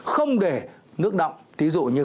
không để nước nọng thí dụ như